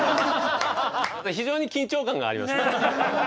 ただ非常に緊張感がありますね。